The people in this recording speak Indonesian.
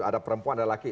ada perempuan ada laki